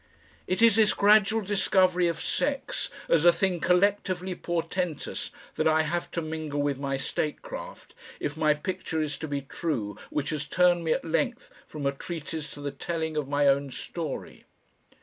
It is this gradual discovery of sex as a thing collectively portentous that I have to mingle with my statecraft if my picture is to be true which has turned me at length from a treatise to the telling of my own story.